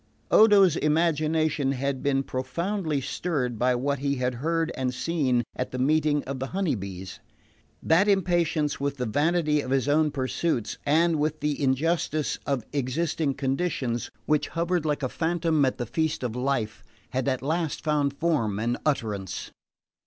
Odo's imagination had been profoundly stirred by what he had heard and seen at the meeting of the Honey Bees. That impatience with the vanity of his own pursuits and with the injustice of existing conditions, which hovered like a phantom at the feast of life, had at last found form and utterance.